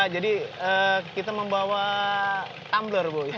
jadi kita membawa tumbler bu